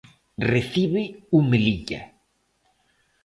Recibe o Melilla.